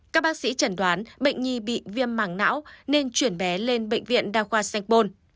các bác sĩ chẩn đoán bệnh nhi bị viêm màng não nên chuyển bé lên bệnh viện đa khoa sengpon